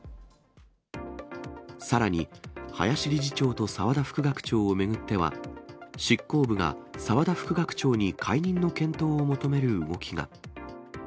さらに、林理事長と澤田副学長を巡っては、執行部が澤田副学長に解任の検討を求める動きが。